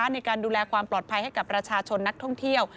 ในการดูแลความปลอดภัยให้กับประชาชนนักท่องเที่ยว